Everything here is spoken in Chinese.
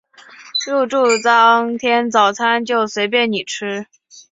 入住当天早餐就随便你吃